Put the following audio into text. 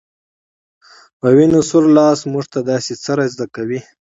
په وينو سور لاس موږ ته داسې څه را زده کوي